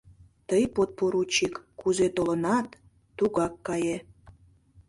Тый, подпоручик, кузе толынат, тугак кае.